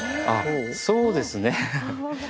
あっそうですね。